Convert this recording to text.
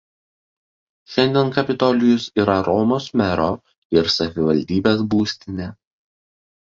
Šiandien Kapitolijus yra Romos mero ir savivaldybės būstinė.